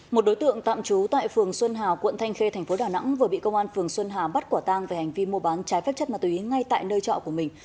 một đối tượng tạm trú tại phường xuân hà quận thanh khê thành phố đà nẵng vừa bị công an phường xuân hà bắt quả tang về hành vi mua bán trái phép chất ma túy ngay tại nơi trọ của mình